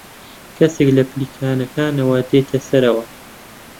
کەسێک لە پلیکانەکانەوە دێتە سەرەوە.